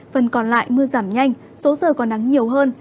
phần còn lại mưa giảm nhanh số giờ còn nắng nhiều hơn